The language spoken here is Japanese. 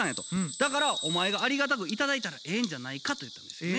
「だからお前がありがたく頂いたらええんじゃないか」と言ったんですよね。